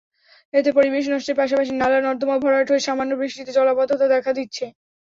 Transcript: এতে পরিবেশ নষ্টের পাশাপাশি নালা-নর্দমা ভরাট হয়ে সামান্য বৃষ্টিতে জলাবদ্ধতা দেখা দিচ্ছে।